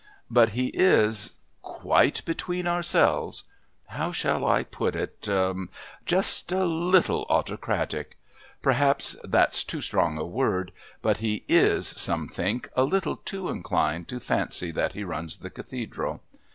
But he is quite between ourselves how shall I put it? just a little autocratic. Perhaps that's too strong a word, but he is, some think, a little too inclined to fancy that he runs the Cathedral!